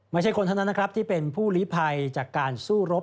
ไม่ใช่คนเท่านั้นนะครับที่เป็นผู้ลิภัยจากการสู้รบ